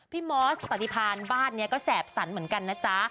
พี่มอสตอนที่ผ่านบ้านเนี่ยก็แสบสันเหมือนกันนะจ๊ะ